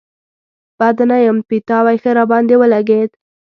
بد نه يم، پيتاوی ښه راباندې ولګېد.